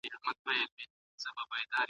ولي نوی حکومت په نړیواله کچه ارزښت لري؟